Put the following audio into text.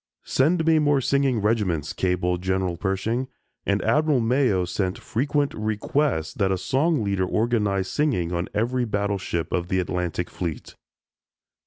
"Send me more singing regiments," cabled General Pershing, and Admiral Mayo sent frequent requests that a song leader organize singing on every battleship of the Atlantic Fleet.